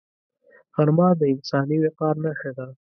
غرمه د انساني وقار نښه ده